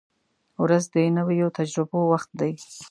• ورځ د نویو تجربو وخت دی.